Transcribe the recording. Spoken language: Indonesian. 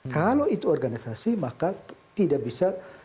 kalau itu organisasi maka tidak bisa